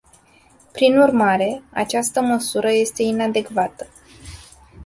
Prin urmare, această măsură este inadecvată.